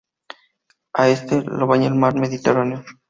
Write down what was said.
Al este lo baña el mar Mediterráneo.